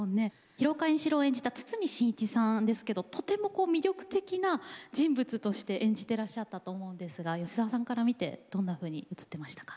平岡円四郎を演じた堤真一さんですけどとても魅力的な人物として演じてらっしゃったと思うんですが吉沢さんから見てどんなふうに映ってましたか？